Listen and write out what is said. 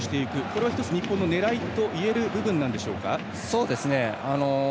これは１つ、日本の狙いといえる部分ですか。